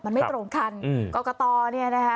มันไม่ตรงครั้งอืมกตรเนี่ยน่ะฮะ